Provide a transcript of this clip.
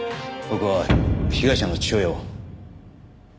僕は被害者の父親を。